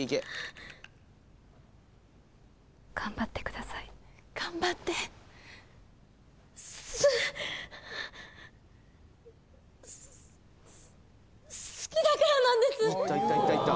頑張ってください頑張ってすすすす好きだからなんです！